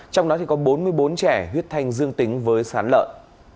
trong đó thì có bốn mươi bốn trẻ huyết thanh dương tính với sán lợn